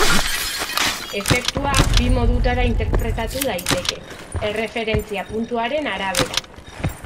Efektua, bi modutara interpretatu daiteke, erreferentzia puntuaren arabera.